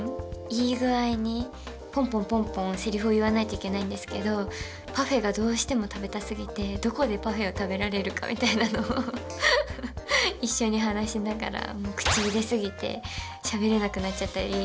いい具合にポンポンポンポンセリフを言わないといけないんですけどパフェがどうしても食べたすぎてどこでパフェを食べられるかみたいなのを一緒に話しながら口入れ過ぎてしゃべれなくなっちゃったり